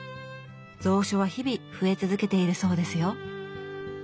蔵書は日々増え続けているそうですよ。